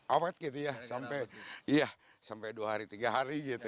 awet gitu ya sampai dua hari tiga hari gitu